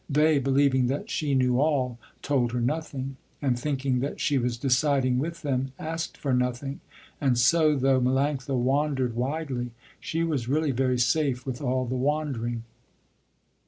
They, believing that she knew all, told her nothing, and thinking that she was deciding with them, asked for nothing, and so though Melanctha wandered widely, she was really very safe with all the wandering.